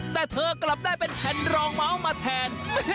แต่เธอกลับได้เป็นแผ่นรองเมาส์มาแทน